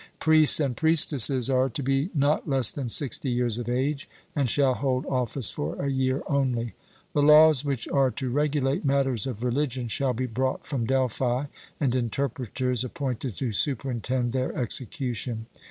Priests and priestesses are to be not less than sixty years of age, and shall hold office for a year only. The laws which are to regulate matters of religion shall be brought from Delphi, and interpreters appointed to superintend their execution.